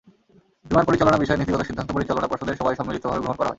বিমান পরিচালনা বিষয়ে নীতিগত সিদ্ধান্ত পরিচালনা পর্ষদের সভায় সম্মিলিতভাবে গ্রহণ করা হয়।